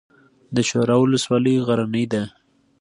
د چوره ولسوالۍ غرنۍ ده